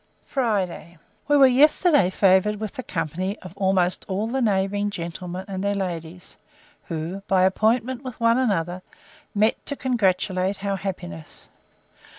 Friday. We were yesterday favoured with the company of almost all the neighbouring gentlemen and their ladies, who, by appointment with one another, met to congratulate our happiness.